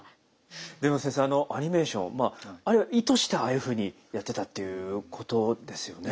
でも先生あのアニメーションまああれ意図してああいうふうにやってたっていうことですよね？